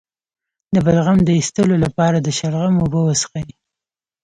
د بلغم د ایستلو لپاره د شلغم اوبه وڅښئ